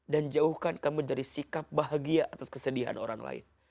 dan jauhkan kami dari sikap bahagia atas kesedihan orang lain